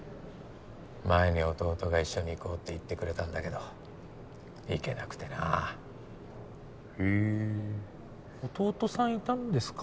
前に弟が一緒に行こうって言ってくれたんだけど行けなくてなへえ弟さんいたんですか